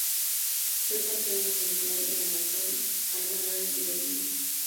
Fue campeona mundial de maratón, al ganar el en Beijing.